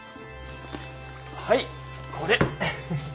はいこれ。